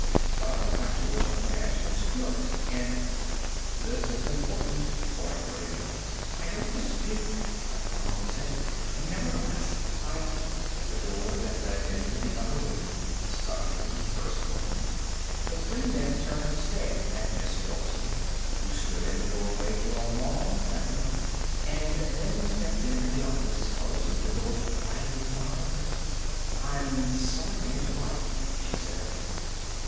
But I've got to work for the national security, and " "This is important," Boyd put in. "I don't dispute that," Dr. Harman said. "Nevertheless, I " The door that led into the other room suddenly burst open. The three men turned to stare at Miss Wilson, who stood in the doorway for a long second and then stepped into the office, closing the door quietly behind her. "I'm sorry to interrupt," she said.